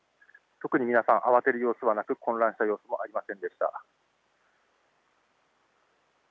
特に皆さん、慌てる様子はなく混乱した様子もありませんでした。